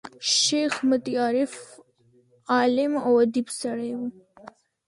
شېخ متي عارف، عالم او اديب سړی وو.